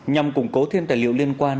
nhằm củng cố thêm tài liệu liên quan